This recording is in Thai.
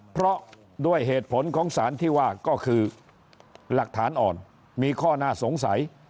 เพราะด้วยเหตุผลของสารที่ว่าก็คือหลักฐานอ่อนมีข้อน่าสงสัย